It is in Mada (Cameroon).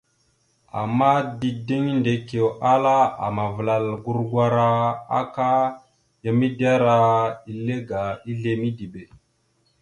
Ama dideŋ Ndekio ala amavəlal gurgwara aka ya midera ile aga izle midibe.